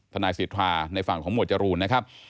ทนายสิทธาในฝั่งของหมวดจรูนนะครับ